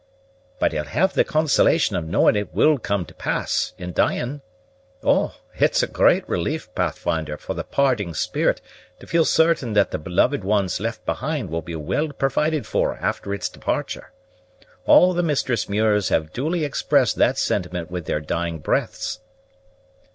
"But he'll have the consolation of knowing it will come to pass, in dying. Oh, it's a great relief, Pathfinder, for the parting spirit to feel certain that the beloved ones left behind will be well provided for after its departure. All the Mistress Muirs have duly expressed that sentiment with their dying breaths."